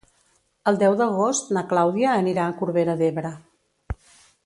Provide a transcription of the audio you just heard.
El deu d'agost na Clàudia anirà a Corbera d'Ebre.